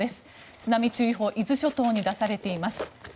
津波注意報伊豆諸島に出されています。